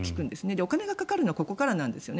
お金がかかるのはここからなんですよね。